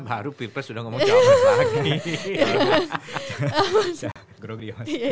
mas emil juga ada